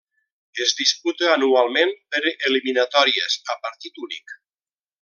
Es diputa anualment per eliminatòries a partit únic.